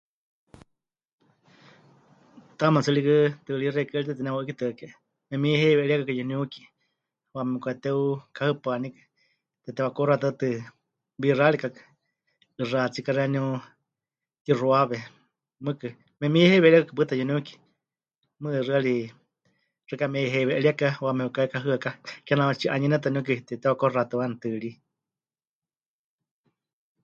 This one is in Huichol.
Taame tsɨ rikɨ tɨɨrí xeikɨ́a ri tetenewa'ɨ́kitɨaka, memiheiwe'eriekaikɨ yuniuki, wamemɨkateukáhɨpanikɨ, tetewakuxaxatɨwatɨ wixárikakɨ, 'ɨxatsika xeeníu mɨtixuawe mɨɨkɨ, memiheiwe'eríekakɨ pɨta yuniuki, mɨɨkɨ xɨari xɨka me'iheiwe'eríeka wa mepɨkaheikahɨaká, kename tsi'anuyɨnetɨ niuki tetewakuxaxatɨwani tɨɨrí.